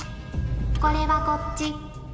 これはこっち。